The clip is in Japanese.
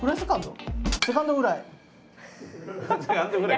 セカンドフライ